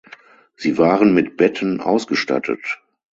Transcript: Sie waren mit Betten ausgestattet.